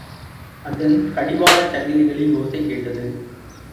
அதன் கடிவாளச் சங்கிலிகளின் ஓசை கேட்டது.